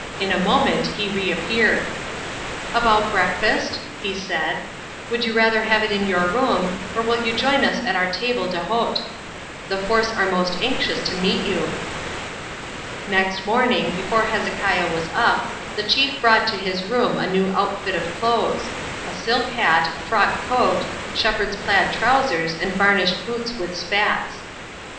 In a moment he reappeared. "About breakfast?" he said. "Would you rather have it in your room, or will you join us at our table d'hote? The force are most anxious to meet you." Next morning, before Hezekiah was up, the chief brought to his room a new outfit of clothes—a silk hat, frock coat, shepherd's plaid trousers and varnished boots with spats.